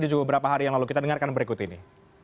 juga beberapa hari yang lalu kita dengarkan berikut ini